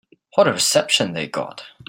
What a reception they got.